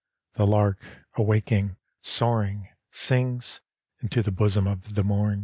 The lark, awaking, soaring, sings Into the bosom of the mom.